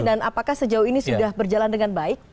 dan apakah sejauh ini sudah berjalan dengan baik